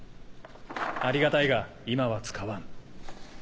ありがたいが今は使わん。